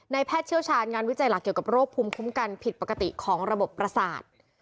แพทย์เชี่ยวชาญงานวิจัยหลักเกี่ยวกับโรคภูมิคุ้มกันผิดปกติของระบบประสาท